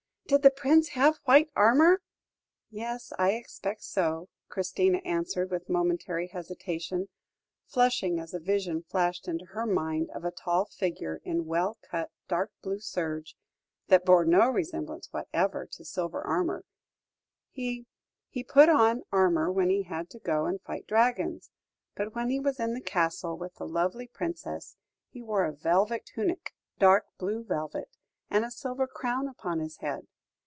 "Did the Prince have white armour?" "Yes, I expect so," Christina answered, with momentary hesitation, flushing as a vision flashed into her mind of a tall figure in well cut dark blue serge, that bore no resemblance whatever to silver armour; "he he put on armour when he had to go and fight dragons, but when he was in the Castle with the lovely Princess, he wore a velvet tunic, dark blue velvet, and a silver crown upon his head."